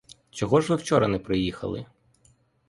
Чого ж ви вчора не приїхали?